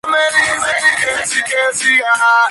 Presenta diversos valles y arroyos.